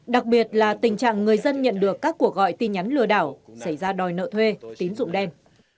đặc biệt là tình trạng người dân nhận được các cuộc gọi tin nhắn lừa đảo xảy ra đòi nợ thuê tín dụng đen